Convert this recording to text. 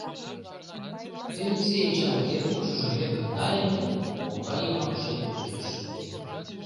Элексей Эчан теркупшыжым эркын нале, коҥла йымакше кучыш.